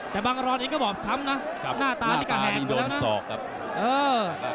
แต่บังร้อนเองก็บอบช้ำนะหน้าตานี่กระแหงดูแล้วนะหน้าตานี่โดนสอกครับเออ